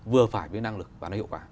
vừa phải với năng lực và nó hiệu quả